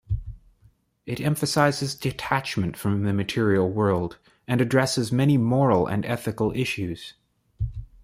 It emphasizes detachment from the material world, and addresses many moral and ethical issues.